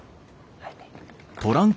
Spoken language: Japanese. はい。